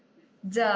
じゃあ。あ。